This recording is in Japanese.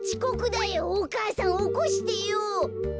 お母さんおこしてよ。